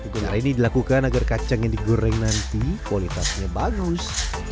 kuliner ini dilakukan agar kacang yang digoreng nanti kualitasnya bagus